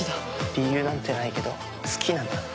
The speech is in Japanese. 理由なんてないけど好きなんだって。